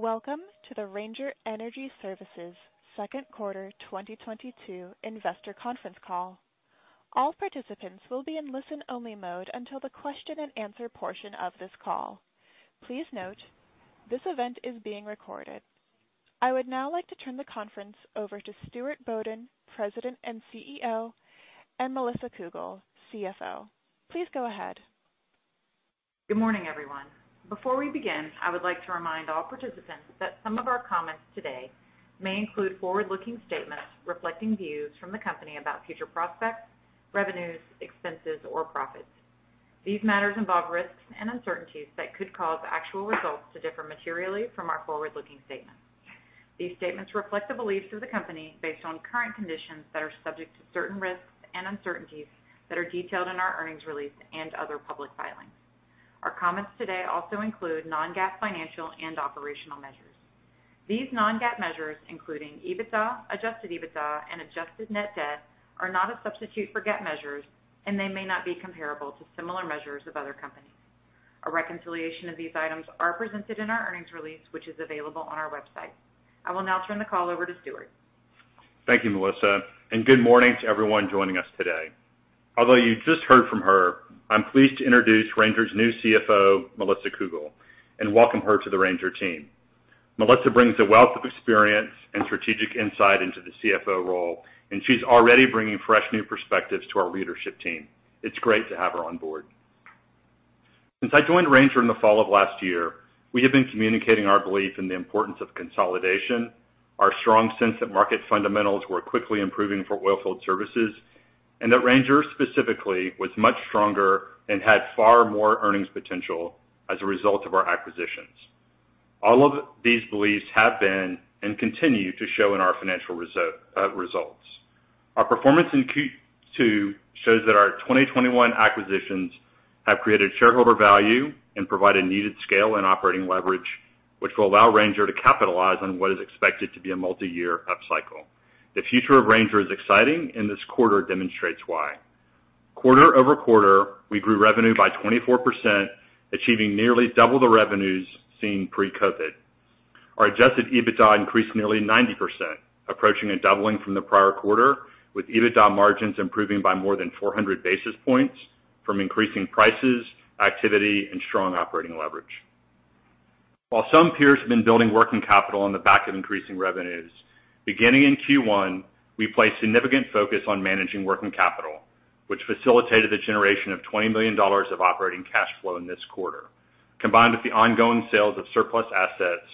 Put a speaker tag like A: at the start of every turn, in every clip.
A: Welcome to the Ranger Energy Services second quarter 2022 investor conference call. All participants will be in listen-only mode until the question and answer portion of this call. Please note, this event is being recorded. I would now like to turn the conference over to Stuart Bodden, President and CEO, and Melissa Cougle, CFO. Please go ahead.
B: Good morning, everyone. Before we begin, I would like to remind all participants that some of our comments today may include forward-looking statements reflecting views from the company about future prospects, revenues, expenses, or profits. These matters involve risks and uncertainties that could cause actual results to differ materially from our forward-looking statements. These statements reflect the beliefs of the company based on current conditions that are subject to certain risks and uncertainties that are detailed in our earnings release and other public filings. Our comments today also include non-GAAP financial and operational measures. These non-GAAP measures, including EBITDA, Adjusted EBITDA, and Adjusted Net Debt, are not a substitute for GAAP measures, and they may not be comparable to similar measures of other companies. A reconciliation of these items are presented in our earnings release, which is available on our website. I will now turn the call over to Stuart.
C: Thank you, Melissa, and good morning to everyone joining us today. Although you just heard from her, I'm pleased to introduce Ranger's new CFO, Melissa Cougle, and welcome her to the Ranger team. Melissa brings a wealth of experience and strategic insight into the CFO role, and she's already bringing fresh new perspectives to our leadership team. It's great to have her on board. Since I joined Ranger in the fall of last year, we have been communicating our belief in the importance of consolidation, our strong sense that market fundamentals were quickly improving for oilfield services, and that Ranger specifically was much stronger and had far more earnings potential as a result of our acquisitions. All of these beliefs have been and continue to show in our financial results. Our performance in Q2 shows that our 2021 acquisitions have created shareholder value and provide a needed scale and operating leverage, which will allow Ranger to capitalize on what is expected to be a multiyear upcycle. The future of Ranger is exciting, and this quarter demonstrates why. Quarter-over-quarter, we grew revenue by 24%, achieving nearly double the revenues seen pre-COVID. Our Adjusted EBITDA increased nearly 90%, approaching a doubling from the prior quarter, with EBITDA margins improving by more than 400 basis points from increasing prices, activity, and strong operating leverage. While some peers have been building working capital on the back of increasing revenues, beginning in Q1, we placed significant focus on managing working capital, which facilitated the generation of $20 million of operating cash flow in this quarter. Combined with the ongoing sales of surplus assets,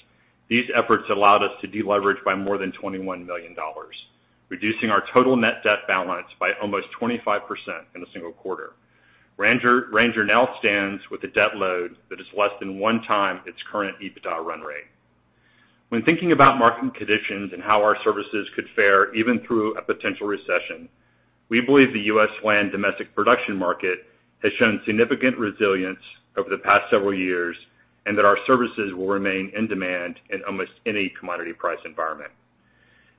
C: these efforts allowed us to deleverage by more than $21 million, reducing our total net debt balance by almost 25% in a single quarter. Ranger now stands with a debt load that is less than 1x its current EBITDA run rate. When thinking about market conditions and how our services could fare even through a potential recession, we believe the U.S. land domestic production market has shown significant resilience over the past several years, and that our services will remain in demand in almost any commodity price environment.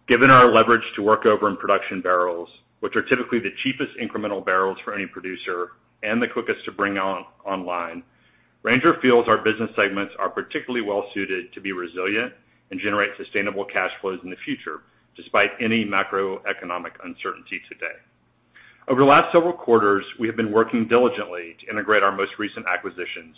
C: Given our leverage to workover in production barrels, which are typically the cheapest incremental barrels for any producer and the quickest to bring online, Ranger feels our business segments are particularly well suited to be resilient and generate sustainable cash flows in the future despite any macroeconomic uncertainty today. Over the last several quarters, we have been working diligently to integrate our most recent acquisitions,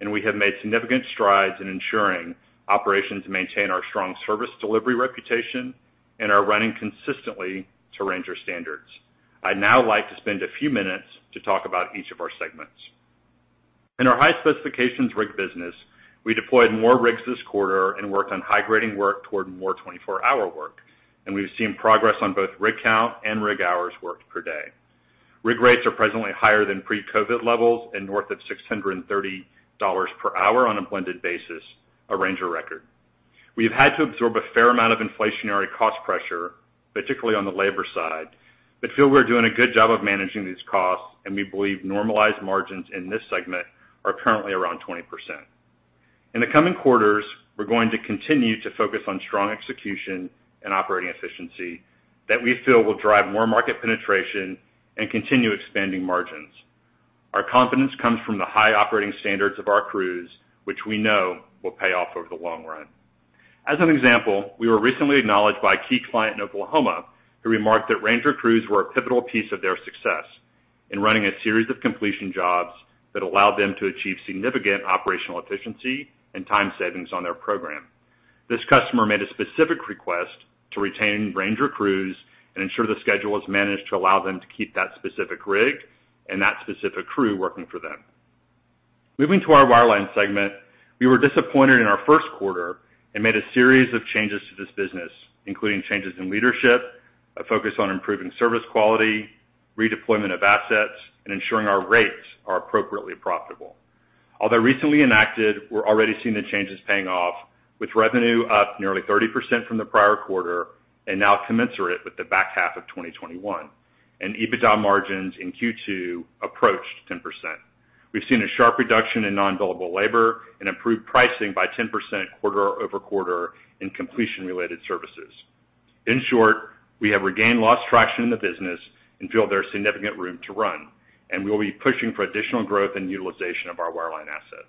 C: and we have made significant strides in ensuring operations maintain our strong service delivery reputation and are running consistently to Ranger standards. I'd now like to spend a few minutes to talk about each of our segments. In our high specification rig business, we deployed more rigs this quarter and worked on high grading work toward more 24-hour work, and we've seen progress on both rig count and rig hours worked per day. Rig rates are presently higher than pre-COVID levels and north of $630 per hour on a blended basis, a Ranger record. We have had to absorb a fair amount of inflationary cost pressure, particularly on the labor side, but feel we're doing a good job of managing these costs, and we believe normalized margins in this segment are currently around 20%. In the coming quarters, we're going to continue to focus on strong execution and operating efficiency that we feel will drive more market penetration and continue expanding margins. Our confidence comes from the high operating standards of our crews, which we know will pay off over the long run. As an example, we were recently acknowledged by a key client in Oklahoma who remarked that Ranger crews were a pivotal piece of their success in running a series of completion jobs that allowed them to achieve significant operational efficiency and time savings on their program. This customer made a specific request to retain Ranger crews and ensure the schedule is managed to allow them to keep that specific rig and that specific crew working for them. Moving to our wireline segment, we were disappointed in our first quarter and made a series of changes to this business, including changes in leadership, a focus on improving service quality, redeployment of assets, and ensuring our rates are appropriately profitable. Although recently enacted, we're already seeing the changes paying off, with revenue up nearly 30% from the prior quarter and now commensurate with the back half of 2021. EBITDA margins in Q2 approached 10%. We've seen a sharp reduction in non-billable labor and improved pricing by 10% quarter-over-quarter in completion-related services. In short, we have regained lost traction in the business and feel there's significant room to run, and we'll be pushing for additional growth and utilization of our wireline assets.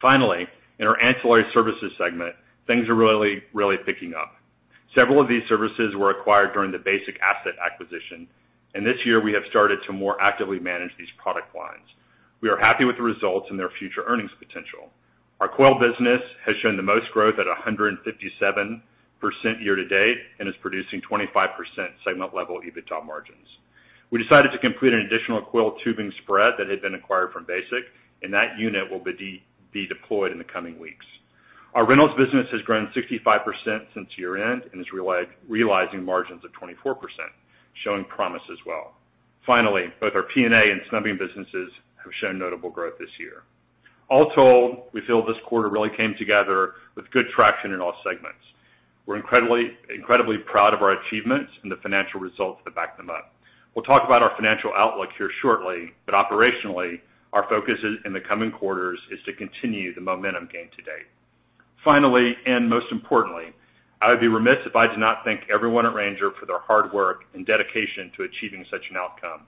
C: Finally, in our Ancillary Services segment, things are really, really picking up. Several of these services were acquired during the Basic asset acquisition, and this year we have started to more actively manage these product lines. We are happy with the results and their future earnings potential. Our coiled tubing business has shown the most growth at 157% year-to-date and is producing 25% segment level EBITDA margins. We decided to complete an additional coiled tubing spread that had been acquired from Basic and that unit will be deployed in the coming weeks. Our rentals business has grown 65% since year-end and is realizing margins of 24%, showing promise as well. Finally, both our P&A and snubbing businesses have shown notable growth this year. All told, we feel this quarter really came together with good traction in all segments. We're incredibly proud of our achievements and the financial results that back them up. We'll talk about our financial outlook here shortly, but operationally, our focus is, in the coming quarters, to continue the momentum gained to date. Finally, and most importantly, I would be remiss if I did not thank everyone at Ranger for their hard work and dedication to achieving such an outcome.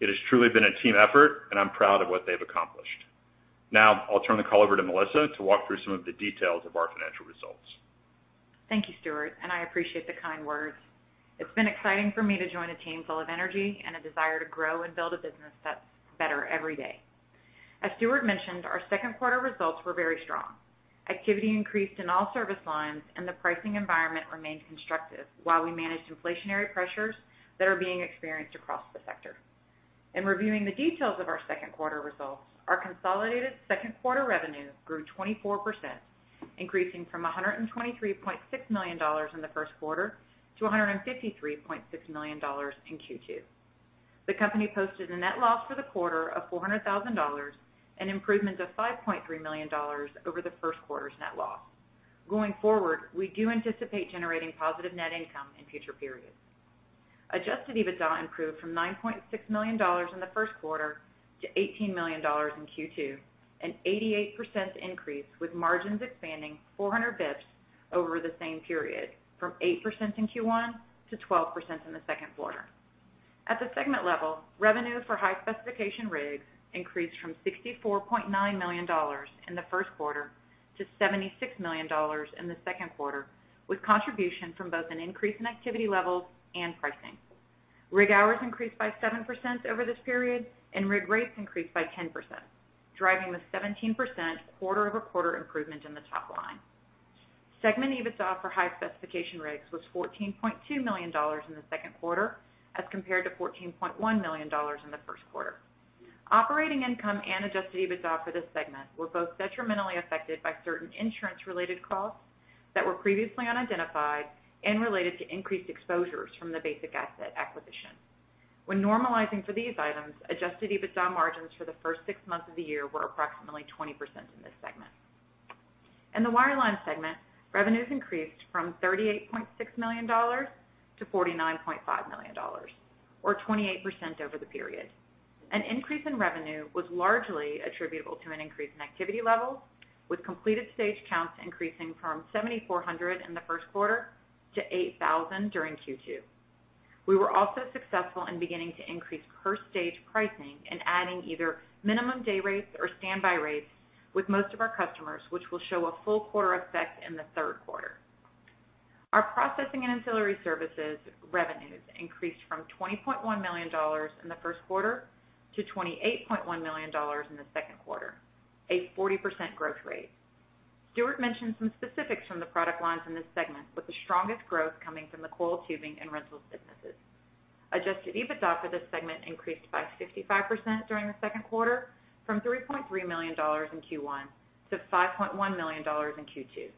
C: It has truly been a team effort, and I'm proud of what they've accomplished. Now, I'll turn the call over to Melissa to walk through some of the details of our financial results.
B: Thank you, Stuart, and I appreciate the kind words. It's been exciting for me to join a team full of energy and a desire to grow and build a business that's better every day. As Stuart mentioned, our second quarter results were very strong. Activity increased in all service lines and the pricing environment remained constructive while we managed inflationary pressures that are being experienced across the sector. In reviewing the details of our second quarter results, our consolidated second quarter revenue grew 24%, increasing from $123.6 million in the first quarter to $153.6 million in Q2. The company posted a net loss for the quarter of $400,000, an improvement of $5.3 million over the first quarter's net loss. Going forward, we do anticipate generating positive net income in future periods. Adjusted EBITDA improved from $9.6 million in the first quarter to $18 million in Q2, an 88% increase with margins expanding 400 basis points over the same period from 8% in Q1 to 12% in the second quarter. At the segment High Specification Rigs increased from $64.9 million in the first quarter to $76 million in the second quarter, with contribution from both an increase in activity levels and pricing. Rig hours increased by 7% over this period and rig rates increased by 10%, driving the 17% quarter-over-quarter improvement in the top line. Segment EBITDA for High Specification Rigs was $14.2 million in the second quarter as compared to $14.1 million in the first quarter. Operating income and Adjusted EBITDA for this segment were both detrimentally affected by certain insurance-related costs that were previously unidentified and related to increased exposures from the Basic asset acquisition. When normalizing for these items, Adjusted EBITDA margins for the first six months of the year were approximately 20% in this segment. In the Wireline segment, revenues increased from $38.6 million to $49.5 million or 28% over the period. An increase in revenue was largely attributable to an increase in activity levels with completed stage counts increasing from 7,400 in the first quarter to 8,000 during Q2. We were also successful in beginning to increase per stage pricing and adding either minimum day rates or standby rates with most of our customers, which will show a full quarter effect in the third quarter. Our processing and Ancillary Services revenues increased from $20.1 million in the first quarter to $28.1 million in the second quarter, a 40% growth rate. Stuart mentioned some specifics from the product lines in this segment with the strongest growth coming from the coiled tubing and rentals businesses. Adjusted EBITDA for this segment increased by 55% during the second quarter from $3.3 million in Q1 to $5.1 million in Q2.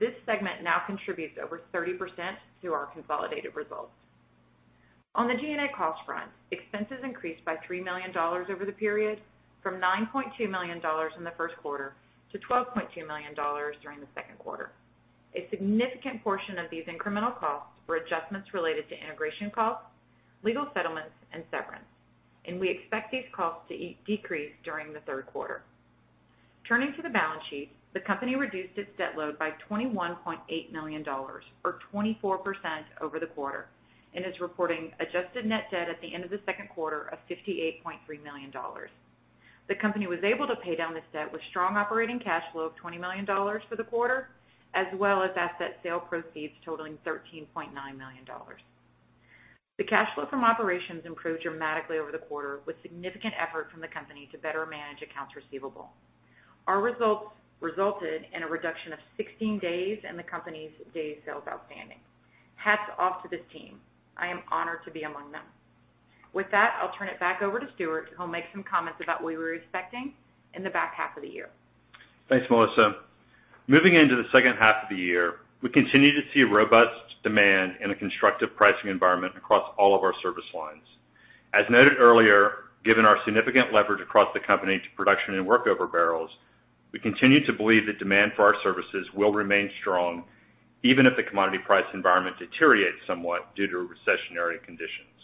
B: This segment now contributes over 30% to our consolidated results. On the G&A cost front, expenses increased by $3 million over the period from $9.2 million in the first quarter to $12.2 million during the second quarter. A significant portion of these incremental costs were adjustments related to integration costs, legal settlements, and severance, and we expect these costs to decrease during the third quarter. Turning to the balance sheet, the company reduced its debt load by $21.8 million or 24% over the quarter and is reporting Adjusted net debt at the end of the second quarter of $58.3 million. The company was able to pay down this debt with strong operating cash flow of $20 million for the quarter, as well as asset sale proceeds totaling $13.9 million. The cash flow from operations improved dramatically over the quarter with significant effort from the company to better manage accounts receivable. Our results resulted in a reduction of 16 days in the company's days sales outstanding. Hats off to this team. I am honored to be among them. With that, I'll turn it back over to Stuart, who will make some comments about what we're expecting in the back half of the year.
C: Thanks, Melissa. Moving into the second half of the year, we continue to see robust demand in a constructive pricing environment across all of our service lines. As noted earlier, given our significant leverage across the company to production and workover barrels, we continue to believe that demand for our services will remain strong even if the commodity price environment deteriorates somewhat due to recessionary conditions.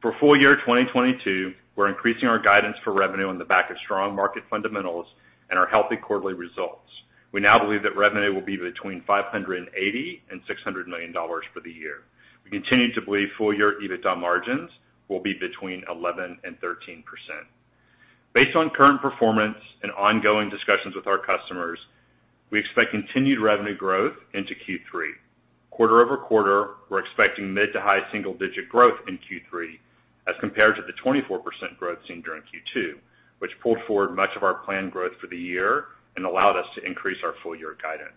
C: For full year 2022, we're increasing our guidance for revenue on the back of strong market fundamentals and our healthy quarterly results. We now believe that revenue will be between $580 million and $600 million for the year. We continue to believe full year EBITDA margins will be between 11% and 13%. Based on current performance and ongoing discussions with our customers, we expect continued revenue growth into Q3. Quarter-over-quarter, we're expecting mid- to high-single-digit growth in Q3, as compared to the 24% growth seen during Q2, which pulled forward much of our planned growth for the year and allowed us to increase our full-year guidance.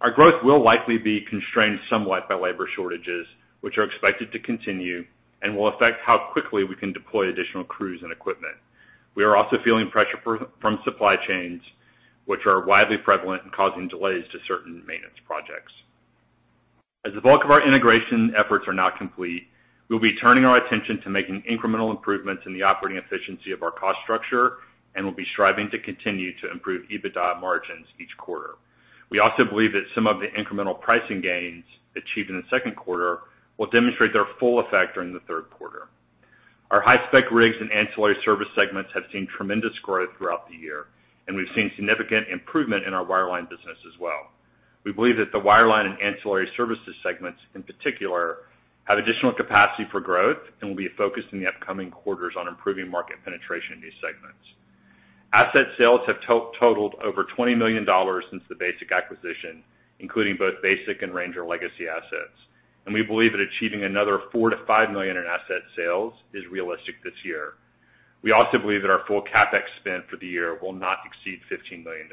C: Our growth will likely be constrained somewhat by labor shortages, which are expected to continue and will affect how quickly we can deploy additional crews and equipment. We are also feeling pressure from supply chains, which are widely prevalent in causing delays to certain maintenance projects. As the bulk of our integration efforts are now complete, we'll be turning our attention to making incremental improvements in the operating efficiency of our cost structure, and we'll be striving to continue to improve EBITDA margins each quarter. We also believe that some of the incremental pricing gains achieved in the second quarter will demonstrate their full effect during the third quarter. Our high spec rigs and ancillary service segments have seen tremendous growth throughout the year, and we've seen significant improvement in our wireline business as well. We believe that the wireline and Ancillary Services segments, in particular, have additional capacity for growth and will be a focus in the upcoming quarters on improving market penetration in these segments. Asset sales have totaled over $20 million since the Basic acquisition, including both Basic and Ranger legacy assets, and we believe that achieving another $4 million-$5 million in asset sales is realistic this year. We also believe that our full CapEx spend for the year will not exceed $15 million.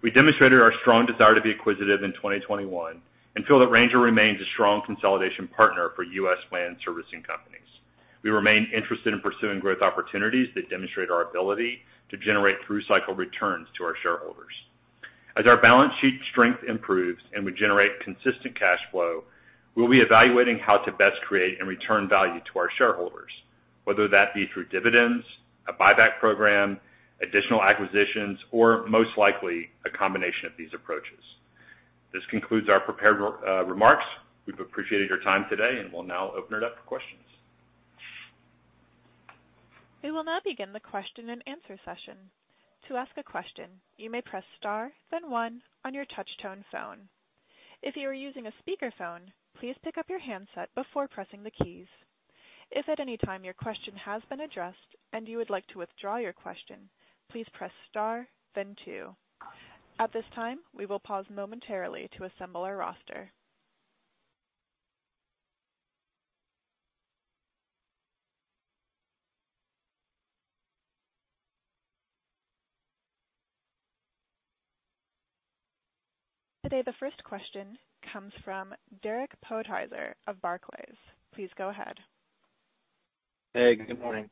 C: We demonstrated our strong desire to be acquisitive in 2021 and feel that Ranger remains a strong consolidation partner for U.S. land servicing companies. We remain interested in pursuing growth opportunities that demonstrate our ability to generate through cycle returns to our shareholders. As our balance sheet strength improves and we generate consistent cash flow, we'll be evaluating how to best create and return value to our shareholders, whether that be through dividends, a buyback program, additional acquisitions, or most likely, a combination of these approaches. This concludes our prepared remarks. We've appreciated your time today, and we'll now open it up for questions.
A: We will now begin the question-and-answer session. To ask a question, you may press star, then one on your touch tone phone. If you are using a speakerphone, please pick up your handset before pressing the keys. If at any time your question has been addressed and you would like to withdraw your question, please press star then two. At this time, we will pause momentarily to assemble our roster. Today, the first question comes from Derek Podhaizer of Barclays. Please go ahead.
D: Hey, good morning.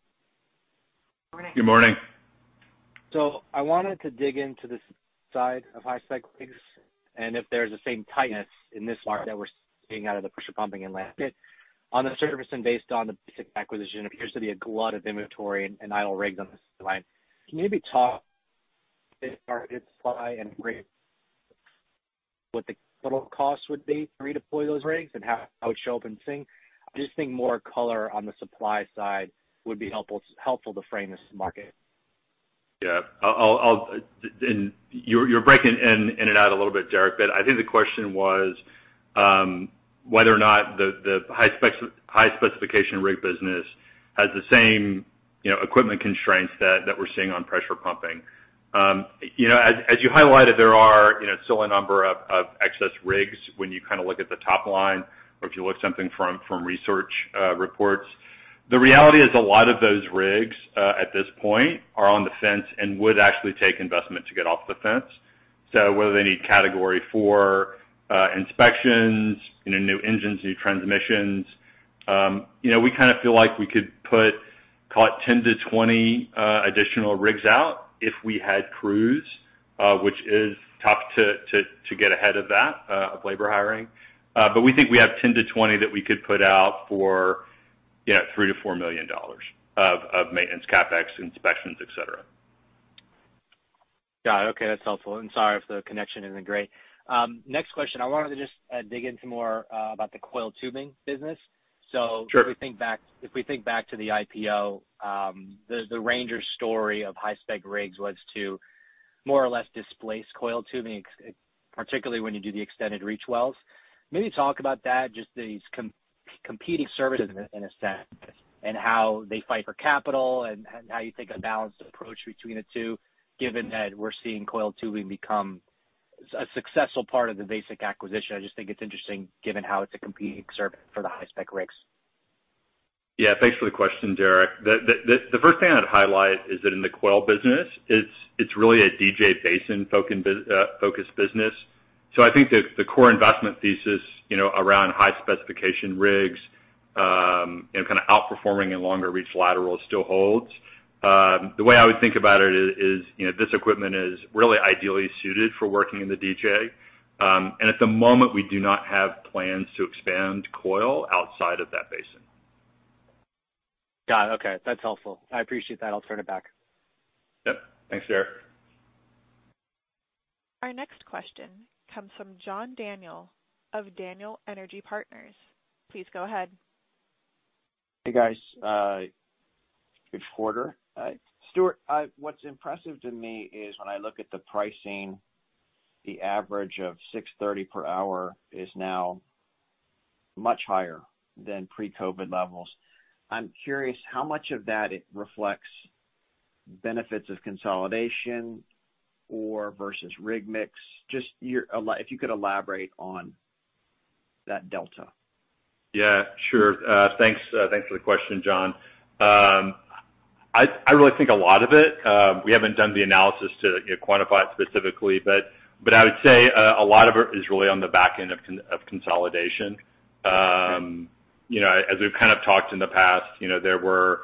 C: Good morning.
D: I wanted to dig into this side of High Specification Rigs and if there's the same tightness in this market that we're seeing out of the pressure pumping and land rig. On the surface and based on the Basic Energy Services acquisition, there appears to be a glut of inventory and idle rigs online. Can you maybe talk about the supply and what the total cost would be to redeploy those rigs and how it would show up in CapEx? I just think more color on the supply side would be helpful to frame this market.
C: You're breaking in and out a little bit, Derek, but I think the question was whether or not the high specification rig business has the same, you know, equipment constraints that we're seeing on pressure pumping. You know, as you highlighted, there are, you know, still a number of excess rigs when you kinda look at the top line or if you look something from research reports. The reality is a lot of those rigs at this point are on the fence and would actually take investment to get off the fence. Whether they need Category IV inspections, you know, new engines, new transmissions, you know, we kinda feel like we could put, call it 10-20 additional rigs out if we had crews, which is tough to get ahead of that, of labor hiring. But we think we have 10-20 that we could put out for, you know, $3 million-$4 million of maintenance, CapEx, inspections, et cetera.
D: Got it. Okay, that's helpful. Sorry if the connection isn't great. Next question. I wanted to just dig into more about the coiled tubing business.
C: Sure.
D: If we think back to the IPO, the Ranger story of high spec rigs was to more or less displace coiled tubing, particularly when you do the extended reach wells. Maybe talk about that, just these competing services in a sense, and how they fight for capital and how you take a balanced approach between the two, given that we're seeing coiled tubing become a successful part of the Basic acquisition. I just think it's interesting given how it's a competing service for the high spec rigs.
C: Yeah. Thanks for the question, Derek. The first thing I'd highlight is that in the coil business, it's really a DJ Basin focused business. I think the core investment thesis, you know, High Specification Rigs, you know, kind of outperforming in longer reach laterals still holds. The way I would think about it is, you know, this equipment is really ideally suited for working in the DJ. At the moment, we do not have plans to expand coil outside of that basin.
D: Got it. Okay. That's helpful. I appreciate that. I'll turn it back.
C: Yep. Thanks, Derek.
A: Our next question comes from John Daniel of Daniel Energy Partners. Please go ahead.
E: Hey, guys, good quarter. Stuart, what's impressive to me is when I look at the pricing, the average of $630 per hour is now much higher than pre-COVID levels. I'm curious how much of that it reflects benefits of consolidation or versus rig mix. Just if you could elaborate on that delta.
C: Yeah, sure. Thanks for the question, John. I really think a lot of it, we haven't done the analysis to, you know, quantify it specifically, but I would say, a lot of it is really on the back end of consolidation. You know, as we've kind of talked in the past, you know, there were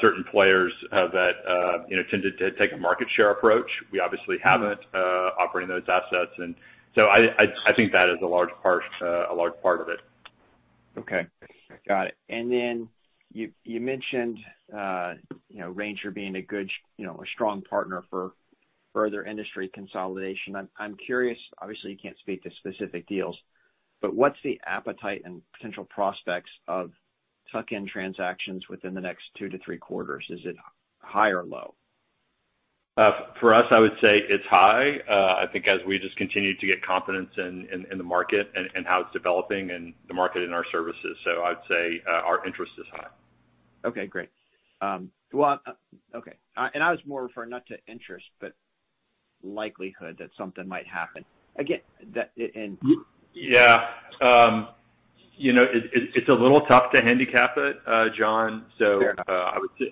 C: certain players that you know, tended to take a market share approach. We obviously have, operating those assets. I think that is a large part of it.
E: Okay. Got it. You mentioned you know, Ranger being a good, you know, a strong partner for further industry consolidation. I'm curious, obviously you can't speak to specific deals, but what's the appetite and potential prospects of tuck-in transactions within the next two to three quarters? Is it high or low?
C: For us, I would say it's high. I think as we just continue to get confidence in the market and how it's developing and the market in our services. I'd say our interest is high.
E: Okay, great. Well, okay. I was more referring not to interest, but likelihood that something might happen.
C: Yeah. You know, it's a little tough to handicap it, John.
E: Fair.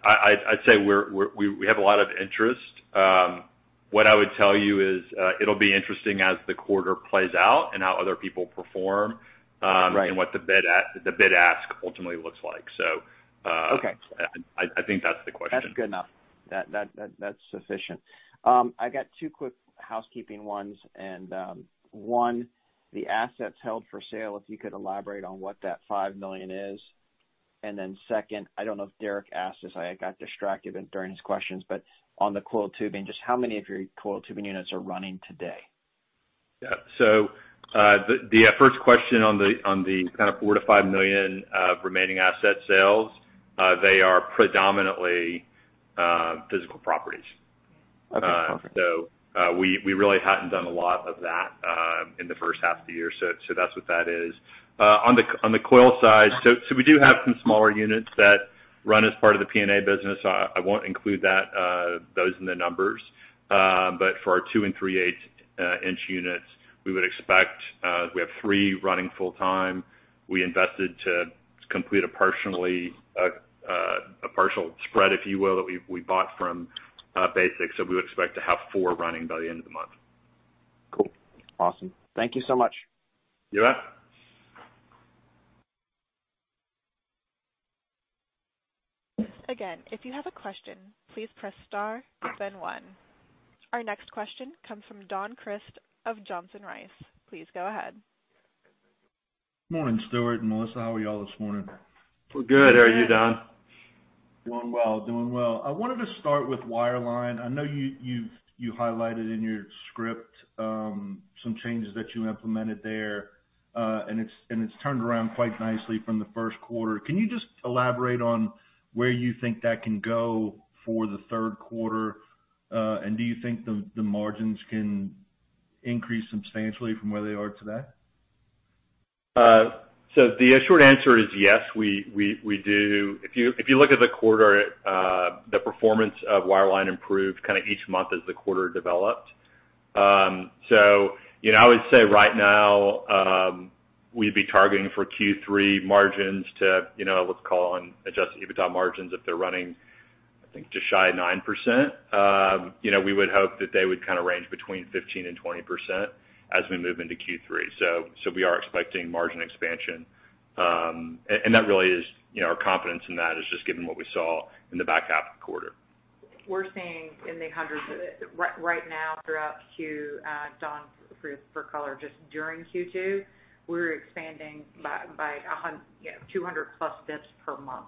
C: I'd say we have a lot of interest. What I would tell you is, it'll be interesting as the quarter plays out and how other people perform.
E: Right.
C: What the bid-ask ultimately looks like.
E: Okay
C: I think that's the question.
E: That's sufficient. I got two quick housekeeping ones. One, the assets held for sale, if you could elaborate on what that $5 million is. Second, I don't know if Derek asked this. I got distracted during his questions, but on the coiled tubing, just how many of your coiled tubing units are running today?
C: Yeah. The first question on the kind of $4 million-5 million of remaining asset sales, they are predominantly physical properties.
E: Okay.
C: We really hadn't done a lot of that in the first half of the year. That's what that is. On the coil side, we do have some smaller units that run as part of the P&A business. I won't include those in the numbers. But for our two and 3/8 inch units, we would expect we have three running full-time. We invested to complete a partial spread, if you will, that we bought from Basic. We would expect to have four running by the end of the month.
E: Cool. Awesome. Thank you so much.
C: You bet.
A: Again, if you have a question, please press star then one. Our next question comes from Don Crist of Johnson Rice. Please go ahead.
F: Morning, Stuart and Melissa, how are y'all this morning?
C: We're good. How are you, Don?
F: Good. Doing well. I wanted to start with Wireline. I know you've highlighted in your script some changes that you implemented there, and it's turned around quite nicely from the first quarter. Can you just elaborate on where you think that can go for the third quarter? Do you think the margins can increase substantially from where they are today?
C: The short answer is yes, we do. If you look at the quarter, the performance of wireline improved kind of each month as the quarter developed. You know, I would say right now, we'd be targeting for Q3 margins to, you know, let's call on adjusted EBITDA margins if they're running, I think just shy of 9%. You know, we would hope that they would kind of range between 15% and 20% as we move into Q3. We are expecting margin expansion. That really is, you know, our confidence in that is just given what we saw in the back half of the quarter.
B: We're seeing in the hundreds of it right now throughout Q2, Don, for color, just during Q2, we're expanding by 200+ days per month.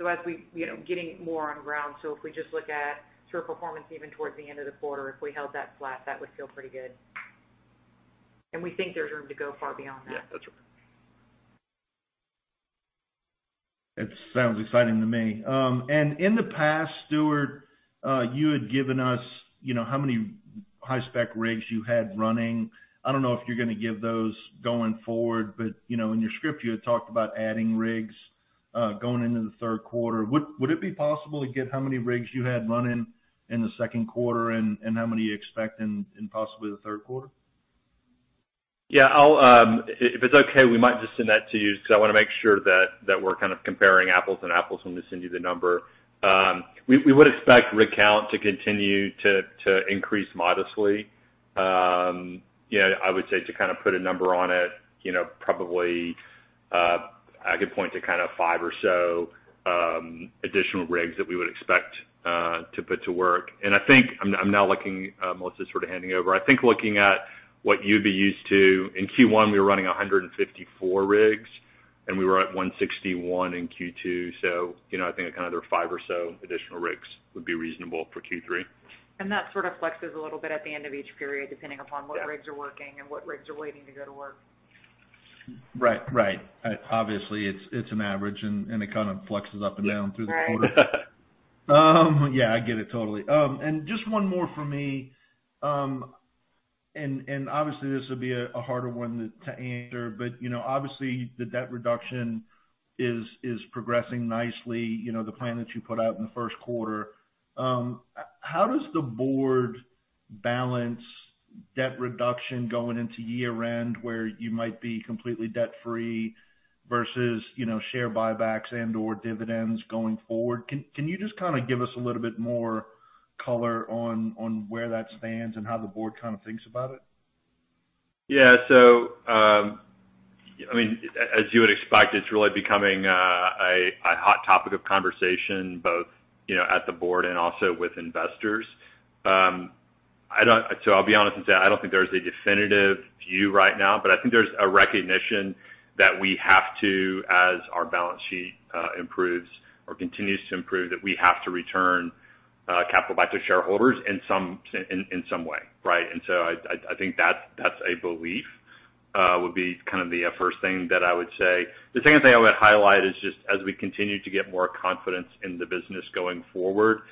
B: As we getting more on ground. If we just look at sort of performance even towards the end of the quarter, if we held that flat, that would feel pretty good. We think there's room to go far beyond that.
C: Yeah, that's right.
F: It sounds exciting to me. In the past, Stuart, you had given us, you know, how many high spec rigs you had running. I don't know if you're gonna give those going forward, but you know, in your script, you had talked about adding rigs going into the third quarter. Would it be possible to get how many rigs you had running in the second quarter and how many you expect in possibly the third quarter?
C: Yeah, I'll if it's okay, we might just send that to you because I wanna make sure that we're kind of comparing apples and apples when we send you the number. We would expect rig count to continue to increase modestly. You know, I would say to kind of put a number on it, you know, probably I could point to kind of five or so additional rigs that we would expect to put to work. I think I'm now looking, Melissa sort of handing over. I think looking at what you'd be used to, in Q1, we were running 154 rigs. We were at 161 rigs in Q2. You know, I think kind of there five or so additional rigs would be reasonable for Q3.
B: That sort of flexes a little bit at the end of each period, depending upon what rigs are working and what rigs are waiting to go to work.
F: Right. Obviously, it's an average, and it kind of flexes up and down through the quarter.
B: Right.
F: Yeah, I get it totally. Just one more from me. Obviously this would be a harder one to answer, but, you know, obviously the debt reduction is progressing nicely, you know, the plan that you put out in the first quarter. How does the board balance debt reduction going into year-end where you might be completely debt-free versus, you know, share buybacks and/or dividends going forward? Can you just kinda give us a little bit more color on where that stands and how the board kinda thinks about it?
C: Yeah. I mean, as you would expect, it's really becoming a hot topic of conversation, both, you know, at the board and also with investors. I'll be honest and say, I don't think there's a definitive view right now, but I think there's a recognition that we have to, as our balance sheet improves or continues to improve, that we have to return capital back to shareholders in some way, right? I think that's a belief would be kind of the first thing that I would say. The second thing I would highlight is just as we continue to get more confidence in the business going forward,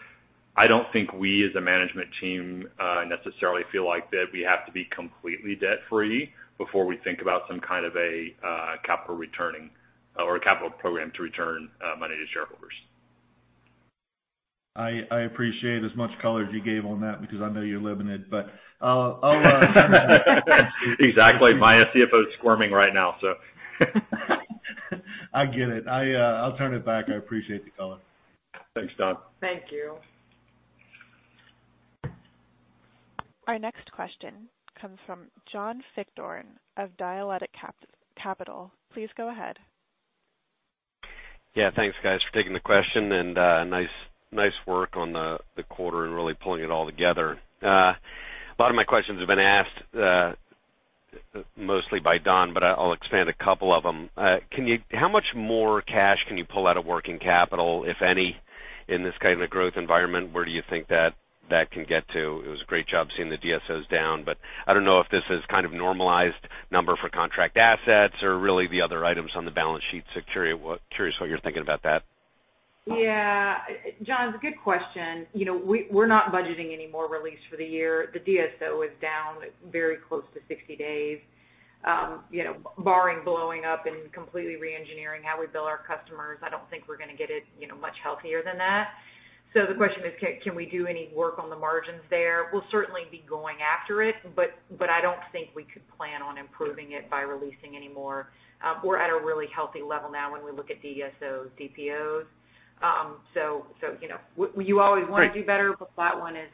C: I don't think we as a management team necessarily feel like that we have to be completely debt-free before we think about some kind of a capital returning or a capital program to return money to shareholders.
F: I appreciate as much color as you gave on that because I know you're limited, but I'll.
C: Exactly. My CFO is squirming right now, so.
F: I get it. I'll turn it back. I appreciate the color.
C: Thanks, Don.
B: Thank you.
A: Our next question comes from John Fichthorn of Dialectic Capital. Please go ahead.
G: Yeah. Thanks, guys, for taking the question, and nice work on the quarter and really pulling it all together. A lot of my questions have been asked, mostly by Don, but I'll expand a couple of them. How much more cash can you pull out of working capital, if any, in this kind of a growth environment? Where do you think that can get to? It was a great job seeing the DSOs down, but I don't know if this is kind of a normalized number for contract assets or really the other items on the balance sheet. So curious what you're thinking about that.
B: Yeah. John, it's a good question. You know, we're not budgeting any more release for the year. The DSO is down very close to 60 days. You know, barring blowing up and completely reengineering how we bill our customers, I don't think we're gonna get it, you know, much healthier than that. The question is, can we do any work on the margins there? We'll certainly be going after it, but I don't think we could plan on improving it by releasing any more. We're at a really healthy level now when we look at DSOs, DPOs. So, you know, we always wanna do better, but that one is,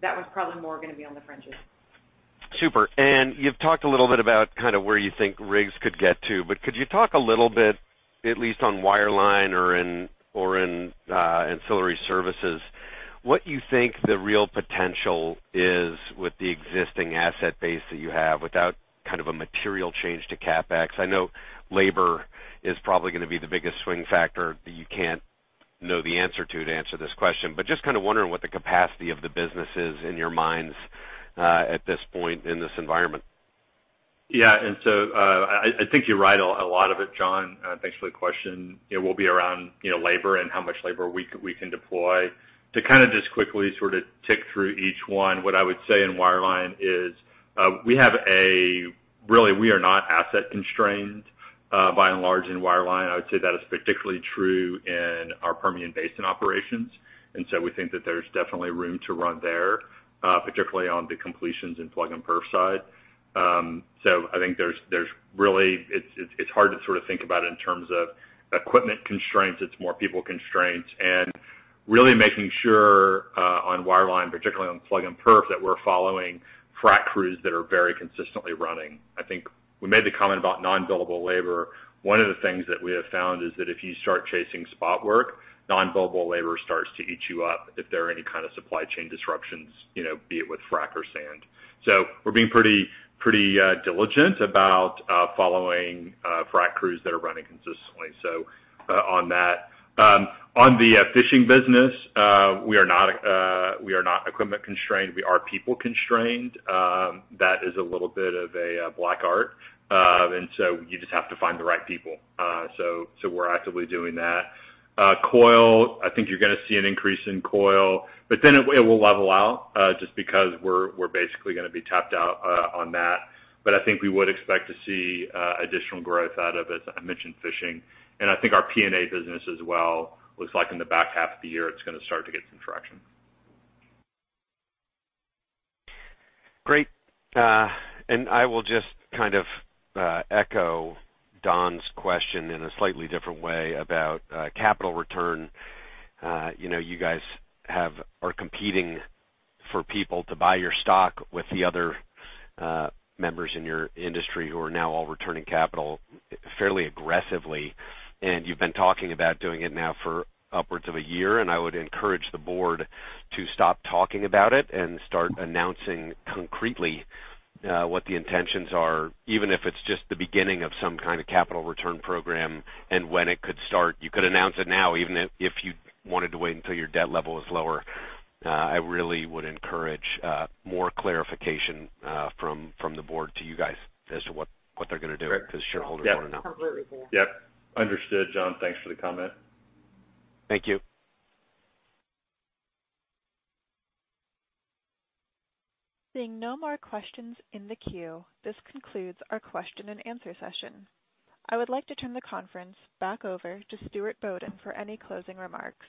B: that one's probably more gonna be on the fringes.
G: Super. You've talked a little bit about kinda where you think rigs could get to, but could you talk a little bit, at least on wireline or in Ancillary Services, what you think the real potential is with the existing asset base that you have without kind of a material change to CapEx? I know labor is probably gonna be the biggest swing factor that you can't know the answer to answer this question. Just kinda wondering what the capacity of the business is in your minds, at this point in this environment.
C: Yeah, I think you're right a lot of it, John, thanks for the question. It will be around, you know, labor and how much labor we can deploy. To kinda just quickly sorta tick through each one, what I would say in wireline is, really, we are not asset constrained by and large in wireline. I would say that is particularly true in our Permian Basin operations. We think that there's definitely room to run there, particularly on the completions and plug-and-perf side. I think there's really. It's hard to sort of think about it in terms of equipment constraints. It's more people constraints. Really making sure on wireline, particularly on plug-and-perf, that we're following frac crews that are very consistently running. I think we made the comment about non-billable labor. One of the things that we have found is that if you start chasing spot work, non-billable labor starts to eat you up if there are any kind of supply chain disruptions, you know, be it with frac or sand. So we're being pretty diligent about following frac crews that are running consistently. So on that. On the fishing business, we are not equipment constrained, we are people constrained. That is a little bit of a black art. You just have to find the right people. So we're actively doing that. Coil, I think you're gonna see an increase in coil, but then it will level out just because we're basically gonna be tapped out on that. I think we would expect to see additional growth out of it. I mentioned fishing, and I think our P&A business as well looks like in the back half of the year it's gonna get some traction.
G: Great. I will just kind of echo Don's question in a slightly different way about capital return. You know, you guys are competing for people to buy your stock with the other members in your industry who are now all returning capital fairly aggressively. You've been talking about doing it now for upwards of a year, and I would encourage the board to stop talking about it and start announcing concretely what the intentions are, even if it's just the beginning of some kind of capital return program and when it could start. You could announce it now, even if you wanted to wait until your debt level is lower. I really would encourage more clarification from the board to you guys as to what they're gonna do because shareholders wanna know.
C: Yep.
B: Completely fair.
C: Yep. Understood. John, thanks for the comment.
G: Thank you.
A: Seeing no more questions in the queue, this concludes our question and answer session. I would like to turn the conference back over to Stuart Bodden for any closing remarks.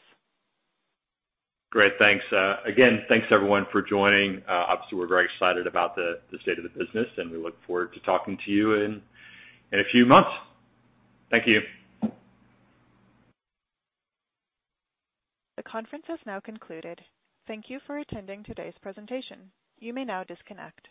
C: Great. Thanks. Again, thanks everyone for joining. Obviously, we're very excited about the state of the business, and we look forward to talking to you in a few months. Thank you.
A: The conference has now concluded. Thank you for attending today's presentation. You may now disconnect.